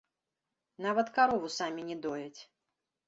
Нават карову самі не дояць.